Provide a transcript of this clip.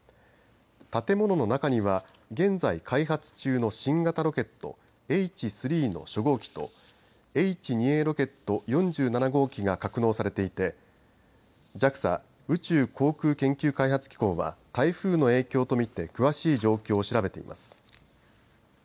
建物の中には現在開発中の新型ロケットＨ３の初号機とＨ２Ａロケット４７号機が格納されていてＪＡＸＡ宇宙航空研究開発機構は台風の影響と見て詳しい状況を調べています。